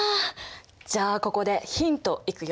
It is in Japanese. じゃあここでヒントいくよ。